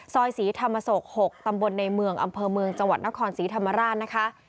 ศรีธรรมโศก๖ตำบลในเมืองอำเภอเมืองจังหวัดนครศรีธรรมราชนะคะ